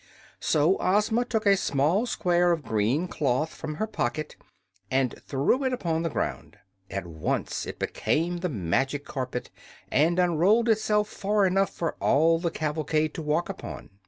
So Ozma took a small square of green cloth from her pocket and threw it upon the ground. At once it became the magic carpet, and unrolled itself far enough for all the cavalcade to walk upon.